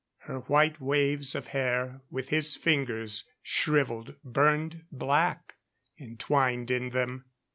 Her white waves of hair, with his fingers, shriveled, burned black, entwined in them.